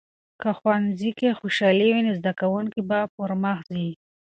که ښوونځي کې خوشالي وي، نو زده کوونکي به پرمخ ځي.